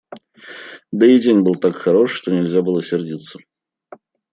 Да и день был так хорош, что нельзя было сердиться.